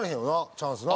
チャンスな。